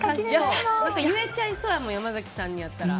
言えちゃいそうやもん山崎さんにやったら。